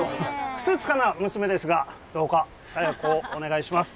ふつつかな娘ですがどうか佐弥子をお願いします